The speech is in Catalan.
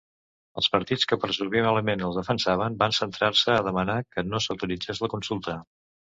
Els partits que presumiblement el defensaven van centrar-se a demanar que no s'autoritzés la consulta.